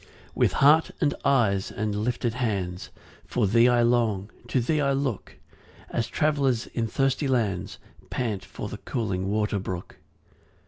3 With heart, and eyes and lifted hands, For thee I long, to thee I look, As travellers in thirsty lands Pant for the cooling water brook.